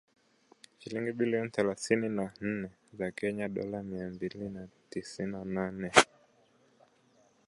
Shilingi bilioni thelathini na nne za Kenya dola mia mbili tisini na nane.